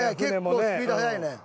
結構スピード速いね。